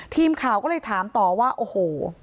ทีมข่าวก็เลยถามต่อว่าโอ้โห